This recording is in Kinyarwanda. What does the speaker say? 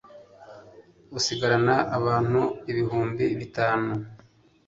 asigarana abantu ibihumbi bitatu